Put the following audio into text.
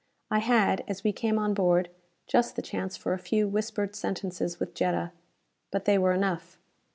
I had, as we came on board, just the chance for a few whispered sentences with Jetta. But they were enough!